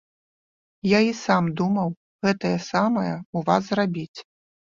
Я і сам думаў гэтае самае ў вас зрабіць.